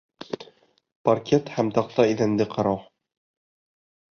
Паркет һәм таҡта иҙәнде ҡарау